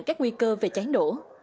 các nguy cơ về cháy nổ